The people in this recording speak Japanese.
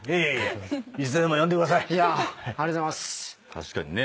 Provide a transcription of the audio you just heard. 確かにね。